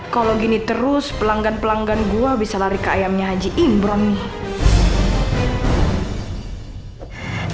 kalau gini terus pelanggan pelanggan gua bisa lari ke ayamnya haji imron nih